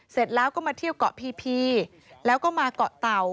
เสร็จแล้วก็มาเที่ยวเกาะพีพีแล้วก็มาเกาะเต่า